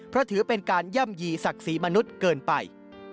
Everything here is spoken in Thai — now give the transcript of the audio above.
เพราะถือเป็นการย่ำยี่ศักดิ์ศรีมนุษย์เกินไป